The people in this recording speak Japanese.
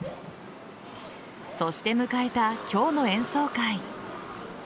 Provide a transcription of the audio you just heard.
そして迎えた今日の演奏会。